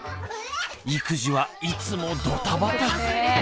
育児はいつもドタバタ。